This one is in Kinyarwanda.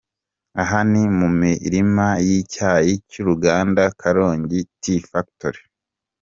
Aha ni mu mirima y'icyayi cy'uruganda Karongi Tea Factory.